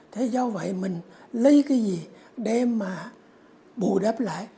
thế do vậy mình lấy cái gì để mà bù đáp lại